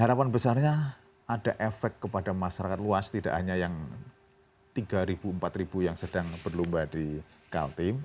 harapan besarnya ada efek kepada masyarakat luas tidak hanya yang tiga ribu empat ribu yang sedang berlomba di kaltim